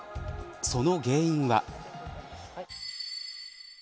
その原因は。